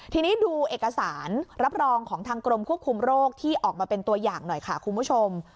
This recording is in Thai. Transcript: ทีนี้ดูเอกสารรับรองของทางกรมควบคุมโรคที่ออกมาเป็นตัวอย่างหน่อยค่ะคุณผู้ชม